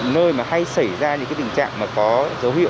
nơi mà hay xảy ra những tình trạng có dấu hiệu